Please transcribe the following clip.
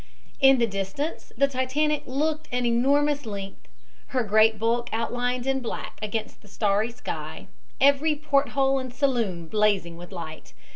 In the distance the Titanic looked an enormous length, her great bulk outlined in black against the starry sky, every port hole and saloon blazing with light.